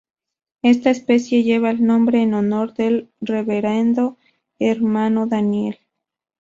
Esta especie lleva el nombre en honor del Reverendo Hermano Daniel.